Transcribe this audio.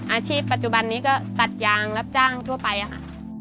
อาชีพปัจจุบันนี้ก็ตัดยางรับจ้างทั่วไปค่ะ